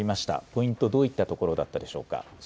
ポイント、どういったところだったでしょうか。